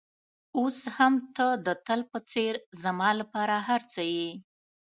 اوس هم ته د تل په څېر زما لپاره هر څه یې.